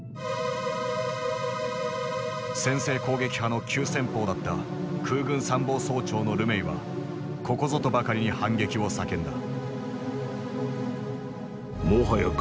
先制攻撃派の急先鋒だった空軍参謀総長のルメイはここぞとばかりに反撃を叫んだ。